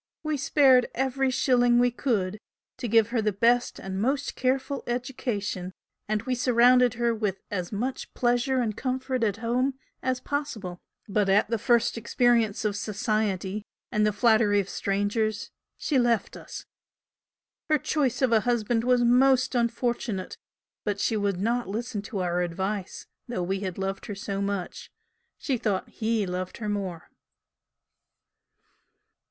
We spared every shilling we could to give her the best and most careful education and we surrounded her with as much pleasure and comfort at home as possible, but at the first experience of 'society,' and the flattery of strangers, she left us. Her choice of a husband was most unfortunate but she would not listen to our advice, though we had loved her so much she thought 'he' loved her more."